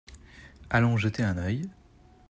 Allons jeter un œil.